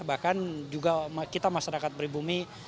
bahkan juga kita masyarakat beribumi